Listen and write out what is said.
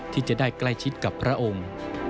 ที่จะได้ใกล้ชิดกับพระองค์